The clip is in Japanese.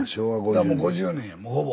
もう５０年やもうほぼ。